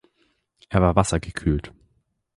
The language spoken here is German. Er war wassergekühlt.